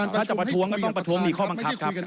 ถ้าจะประท้วงก็ต้องประท้วงมีข้อบังคับครับ